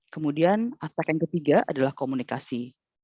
kemudian aktek yang ketiga adalah komunikasi